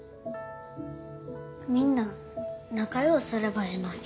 みんな仲良うすればええのに。